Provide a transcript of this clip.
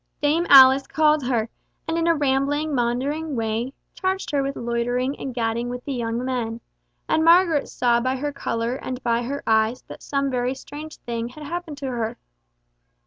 Dame Alice called her, and in a rambling, maundering way, charged her with loitering and gadding with the young men; and Margaret saw by her colour and by her eyes that some strange thing had happened to her.